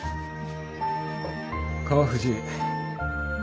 川藤。